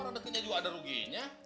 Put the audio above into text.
orang dekenya juga ada ruginya